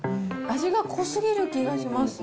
味が濃すぎる気がします。